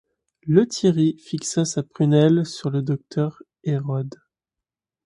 Lethierry fixa sa prunelle sur le docteur Hérode.